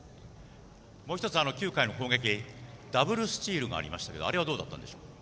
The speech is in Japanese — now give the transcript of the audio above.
もう１つ、９回の攻撃ダブルスチールがありましたけどあれはどうだったんですか？